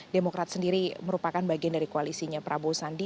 demokrat sendiri merupakan bagian dari koalisinya prabowo sandi